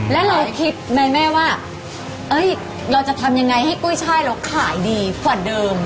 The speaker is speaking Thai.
แล้วเราคิดไหมแม่ว่าเราจะทำยังไงให้กุ้ยช่ายเราขายดีกว่าเดิม